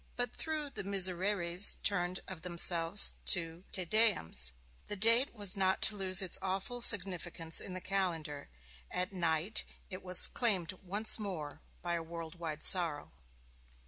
But though the Misereres turned of themselves to Te Deums, the date was not to lose its awful significance in the calendar: at night it was claimed once more by a world wide sorrow.